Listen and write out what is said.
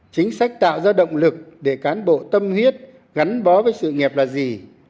chính sách tạo ra động lực để cán bộ tâm huyết gắn bó với sự nghiệp là gì